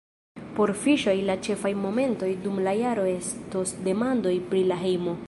Por Fiŝoj la ĉefaj momentoj dum la jaro estos demandoj pri la hejmo.